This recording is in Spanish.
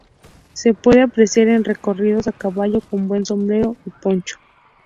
Se pueden apreciar en recorridos a caballo, con buen sombrero y poncho.